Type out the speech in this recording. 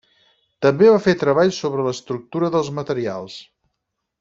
També va fer treballs sobre l'estructura dels materials.